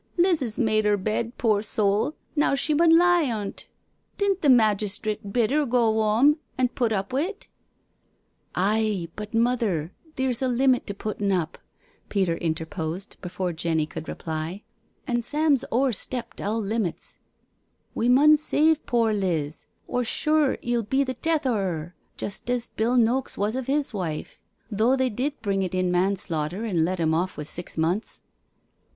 Liz 'as made 'er bed, pore sowl, an' she mun lie on't. Didn't the magistrit bid 'er go wom an' put up wi't?" "Aye, but Mother, the^r's a limit fo puttin' up," Peter interposed before Jenny could reply, " an' Sam's o'erstept all limits— we mun save pore Liz or sure 'e'll be the death of 'er, just as Bill Noakes was of his wife— though they did bring it in manslaughter an* let 'im off with six months."